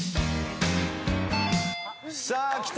さあきた。